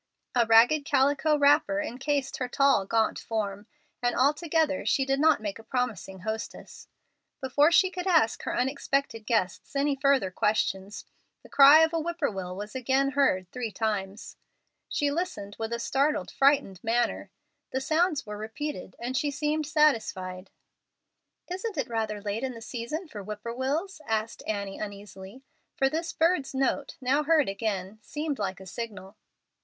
A ragged calico wrapper incased her tall, gaunt form, and altogether she did not make a promising hostess. Before she could ask her unexpected guests any further questions, the cry of a whippoorwill was again heard three times. She listened with a startled, frightened manner. The sounds were repeated, and she seemed satisfied: "Isn't it rather late in the season for whippoorwills?" asked Annie, uneasily, for this bird's note, now heard again, seemed like a signal.